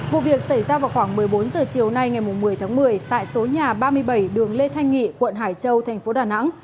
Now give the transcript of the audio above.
vụ việc xảy ra vào khoảng một mươi bốn h chiều nay ngày một mươi tháng một mươi tại số nhà ba mươi bảy đường lê thanh nghị quận hải châu thành phố đà nẵng